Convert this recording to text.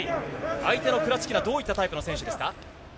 相手のクラチキナはどういったタイプの選手ですか？